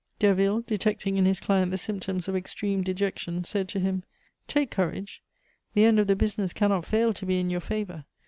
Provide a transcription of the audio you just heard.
Derville, detecting in his client the symptoms of extreme dejection, said to him: "Take courage; the end of the business cannot fail to be in your favor.